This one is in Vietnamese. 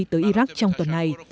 tới iraq trong tuần này